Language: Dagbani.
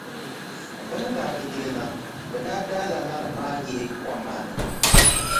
Bɛ ni daa du duli na, bɛ daa daala ŋariŋ maa yihi kom maa ni.